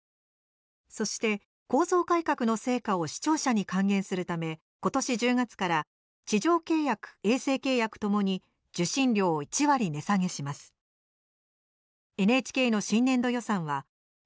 そして、構造改革の成果を視聴者に還元するため今年１０月から地上契約、衛星契約ともに受信料を１割値下げします。